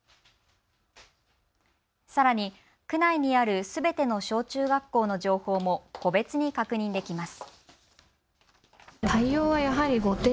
さらに区内にあるすべての小中学校の情報も個別に確認できます。